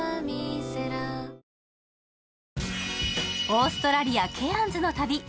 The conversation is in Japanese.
オーストラリア・ケアンズの旅。